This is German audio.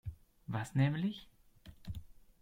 Was nämlich?